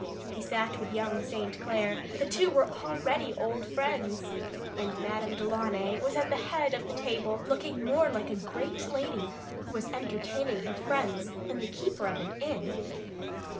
He sat with young St. Clair the two were already old friends and Madame Delaunay was at the head of the table, looking more like a great lady who was entertaining her friends than the keeper of an inn.